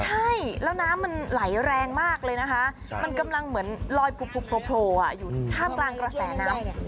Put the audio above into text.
ใช่แล้วน้ำมันไหลแรงมากเลยนะคะมันกำลังเหมือนลอยโผล่อยู่ท่ามกลางกระแสน้ำ